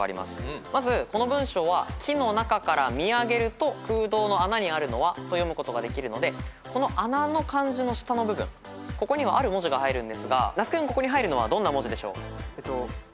まずこの文章は「木の中から見あげると空洞のあなにあるのは？」と読むことができるのでこの「あな」の漢字の下の部分ここにはある文字が入るんですが那須君ここに入るのはどんな文字でしょう？